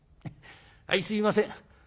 あいすいません。